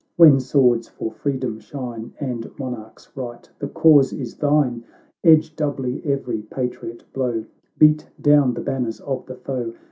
when swords for freedom shine, And monarch's right, the cause is thine ! Edge doubly every patriot blow ! Beat down the banners of the foe